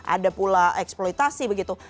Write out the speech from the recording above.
ada pula eksploitasi begitu